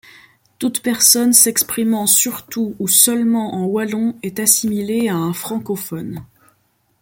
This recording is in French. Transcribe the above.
Toute personne s'exprimant surtout ou seulement en wallon est assimilée à un francophone.